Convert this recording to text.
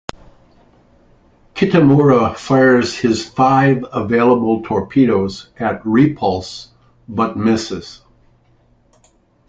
Kitamura fires his five available torpedoes at "Repulse", but misses.